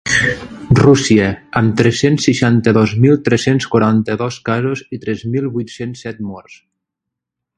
Rússia, amb tres-cents seixanta-dos mil tres-cents quaranta-dos casos i tres mil vuit-cents set morts.